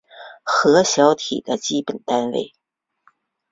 核小体的基本单位。